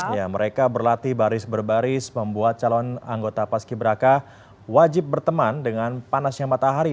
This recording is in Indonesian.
ya mereka berlatih baris berbaris membuat calon anggota paski beraka wajib berteman dengan panasnya matahari